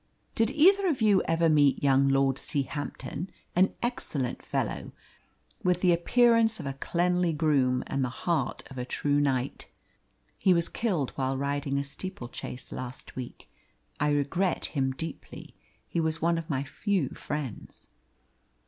Did either of you ever meet young Lord Seahampton, an excellent fellow, with the appearance of a cleanly groom and the heart of a true knight? He was killed while riding a steeplechase last week. I regret him deeply. He was one of my few friends."